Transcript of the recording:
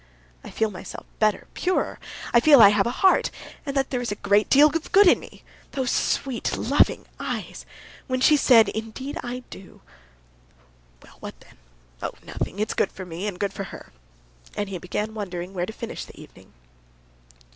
I feel myself better, purer. I feel that I have a heart, and that there is a great deal of good in me. Those sweet, loving eyes! When she said: 'Indeed I do....' "Well, what then? Oh, nothing. It's good for me, and good for her." And he began wondering where to finish the evening.